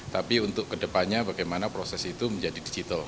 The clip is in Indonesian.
tapi untuk kedepannya bagaimana proses itu menjadi digital